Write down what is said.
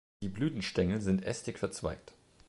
Die Blütenstängel sind ästig verzweigt.